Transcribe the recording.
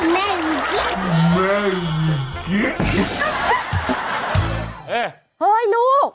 แม่วิกิ๊ก